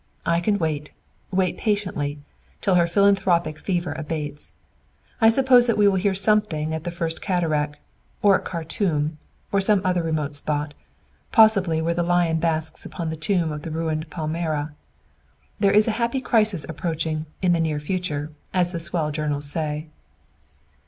I can wait, wait patiently, till her philanthropic fever abates. I suppose that we will hear something at the First Cataract, or at Khartoum, or some other remote spot, perhaps where the lion basks upon the tomb of ruined Palmyra! There is a happy crisis approaching 'in the near future,' as the swell journals say."